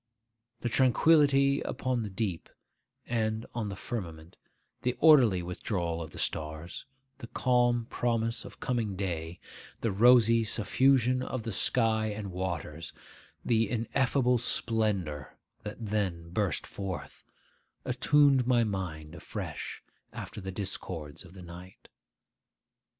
The tranquillity upon the deep, and on the firmament, the orderly withdrawal of the stars, the calm promise of coming day, the rosy suffusion of the sky and waters, the ineffable splendour that then burst forth, attuned my mind afresh after the discords of the night.